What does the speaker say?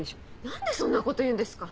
何でそんなこと言うんですか？